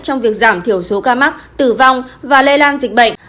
trong việc giảm thiểu số ca mắc tử vong và lây lan dịch bệnh